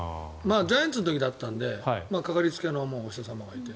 ジャイアンツの時だったのでかかりつけのお医者様がいて。